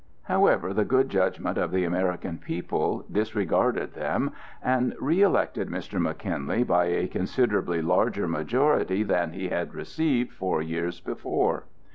However, the good judgment of the American people disregarded them and reëlected Mr. McKinley by a considerably larger majority than he had received four years before.